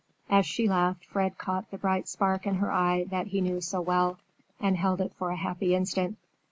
As she laughed, Fred caught the bright spark in her eye that he knew so well, and held it for a happy instant.